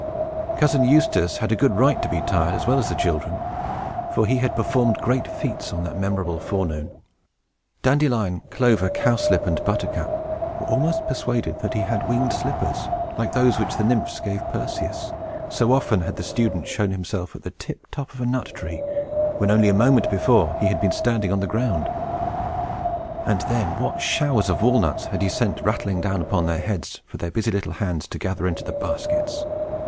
Cousin Eustace had a good right to be tired, as well as the children, for he had performed great feats on that memorable forenoon. Dandelion, Clover, Cowslip, and Buttercup were almost persuaded that he had winged slippers, like those which the Nymphs gave Perseus; so often had the student shown himself at the tiptop of a nut tree, when only a moment before he had been standing on the ground. And then, what showers of walnuts had he sent rattling down upon their heads, for their busy little hands to gather into the baskets!